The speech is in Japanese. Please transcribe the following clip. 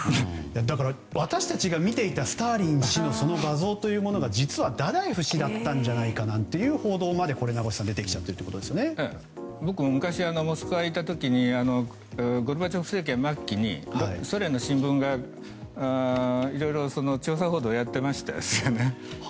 私たちが見ていたスターリン氏のその画像というのは実はダダエフ氏だったんじゃないかという報道まで名越さん出てきちゃっている僕も昔モスクワにいた時にゴルバチョフ政権末期に調査報道をやっていましたよね。